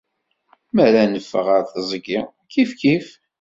Mi ara neffeɣ ɣer teẓgi, kifkif.